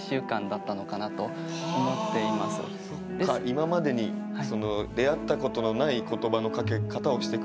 今までに出会ったことのない言葉のかけ方をしてくれたんだ？